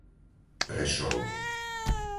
Prešov